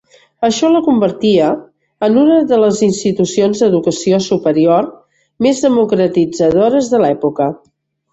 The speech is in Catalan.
Això la convertia en una de les institucions d'educació superior més democratitzadores de l'època.